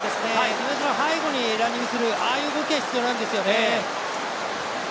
今みたいに谷内田がディフェンスの背後にランニングする、ああいう動きが必要なんですよね。